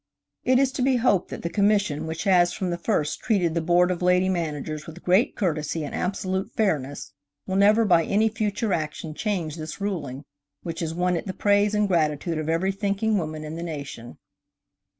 It is to be hoped that the Commission which has from the first treated the Board of Lady Managers with great courtesy and absolute fairness, will never by any future action change this ruling which has won it the praise and gratitude of every thinking woman in the nation.